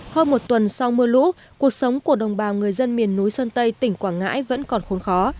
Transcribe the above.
hơn một tuần sau mưa lũ cuộc sống của đồng bào người dân miền núi sơn tây tỉnh quảng ngãi vẫn còn khốn khó